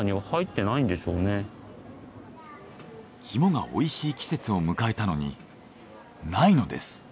キモがおいしい季節を迎えたのにないのです。